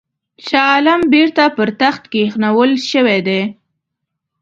شاه عالم بیرته پر تخت کښېنول سوی دی.